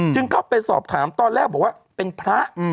เข้าไปสอบถามตอนแรกบอกว่าเป็นพระ